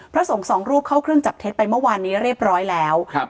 พระสงฆ์สองรูปเข้าเครื่องจับเท็จไปเมื่อวานนี้เรียบร้อยแล้วครับ